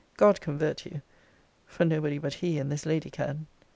God convert you! for nobody but he and this lady can.